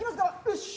よし。